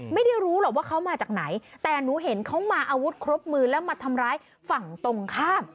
ไม่รู้หรอกว่าเขามาจากไหนแต่หนูเห็นเขามาอาวุธครบมือแล้วมาทำร้ายฝั่งตรงข้าม